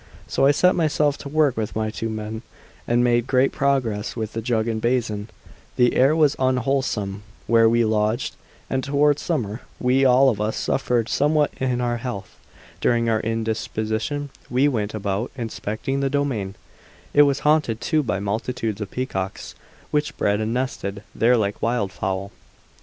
So I set myself to work with my two men, and made great progress with the jug and basin. The air was unwholesome where we lodged, and toward summer we all of us suffered somewhat in our health. During our indisposition we went about inspecting the domain; it was very large, and left in a wild state for about a mile of open ground, haunted too by multitudes of peacocks, which bred and nested there like wildfowl.